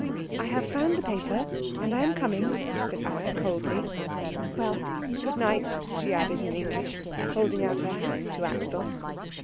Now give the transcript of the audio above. "I have found the paper, and am coming," said Anna coldly. "Well, good night," she added in English, holding out her hand to Axel.